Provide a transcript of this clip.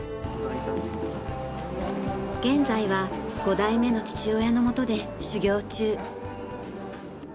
現在は五代目の父親のもとで修業中。